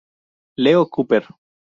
Leo Cooper.